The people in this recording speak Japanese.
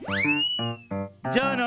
じゃあな。